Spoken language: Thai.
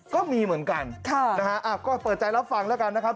ก็มีเหมือนกันนะฮะก็เปิดใจรับฟังแล้วกันนะครับ